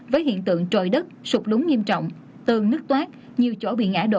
với hiện tượng trồi đất sụp lúng nghiêm trọng tường nứt toát nhiều chỗ bị ngã đổ